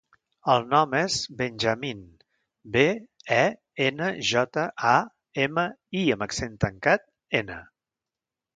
El nom és Benjamín: be, e, ena, jota, a, ema, i amb accent tancat, ena.